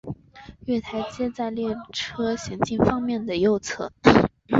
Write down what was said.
月台皆在列车行进方面的右侧。